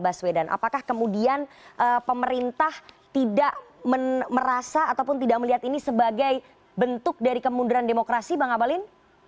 apakah kemudian pemerintah tidak merasa ataupun tidak melihat ini sebagai bentuk dari kemunduran demokrasi bang abalin